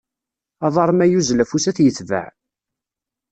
Aḍar ma yuzzel afus ad t-yetbeɛ.